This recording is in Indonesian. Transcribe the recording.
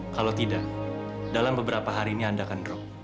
kalau tidak dalam beberapa hari ini anda akan drop